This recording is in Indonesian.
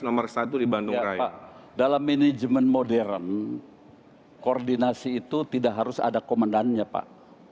nomor satu di bandung pak dalam manajemen modern koordinasi itu tidak harus ada komandannya pak